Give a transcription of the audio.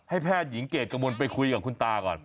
แพทย์หญิงเกรดกระมวลไปคุยกับคุณตาก่อน